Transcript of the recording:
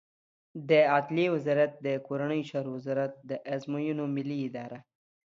د عدلیې وزارت د کورنیو چارو وزارت، د ازموینو ملی اداره